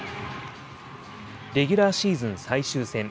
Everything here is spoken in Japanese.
レギュラーシーズン最終戦。